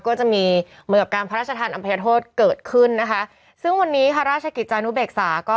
ก็จะมีเหมือนกับการพระราชทานอภัยโทษเกิดขึ้นนะคะซึ่งวันนี้ค่ะราชกิจจานุเบกษาก็